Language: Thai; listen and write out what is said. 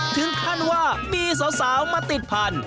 ถึงขั้นว่ามีสาวมาติดพันธุ